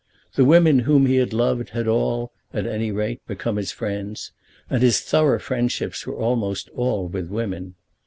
The women whom he had loved had all, at any rate, become his friends, and his thorough friendships were almost all with women.